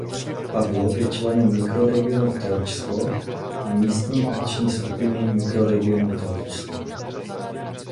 Pavlov je členem Mikroregionu Telčsko a místní akční skupiny Mikroregionu Telčsko.